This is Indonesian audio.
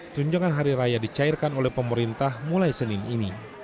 tunjangan hari raya dicairkan oleh pemerintah mulai senin ini